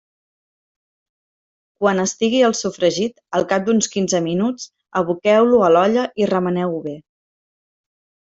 Quan estigui el sofregit, al cap d'uns quinze minuts, aboqueu-lo a l'olla i remeneu-ho bé.